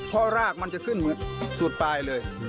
เพราะรากมันจะขึ้นเหมือนสุดปลายเลย